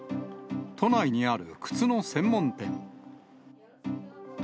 都内にある靴の専門店。